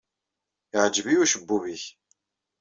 Yeɛjeb-iyi ucebbub-nnek.